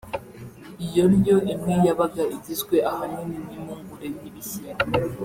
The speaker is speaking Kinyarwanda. Iyo ndyo imwe yabaga igizwe ahanini n’impungure n’ibishyimbo